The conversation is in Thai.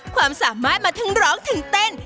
ความสามารถมาทั้งร้องทั้งเต้น